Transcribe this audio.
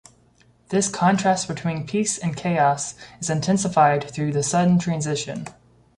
This contrast between peace and chaos is intensified through the sudden transition.